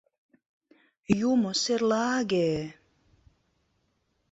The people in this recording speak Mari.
Юмо серлаге-е!